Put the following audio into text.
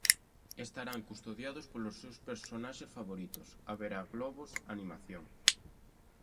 Estarán custodiados polos seus personaxes favoritos, haberá globos, animación.